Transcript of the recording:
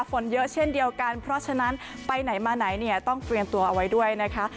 ฝนเยอะเช่นเดียวกันเพราะฉะนั้นไปไหนมาไหนเนี่ยต้องเตรียมตัวเอาไว้ด้วยนะคะ